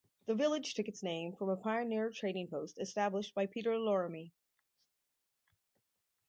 The village took its name from a pioneer trading post established by Peter Loramie.